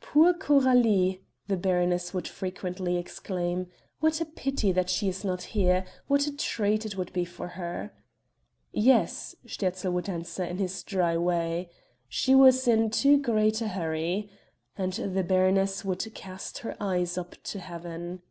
"Poor Coralie!" the baroness would frequently exclaim, "what a pity that she is not here; what a treat it would be for her!" "Yes," Sterzl would answer in his dry way, "she was in too great a hurry." And the baroness would cast her eyes up to heaven.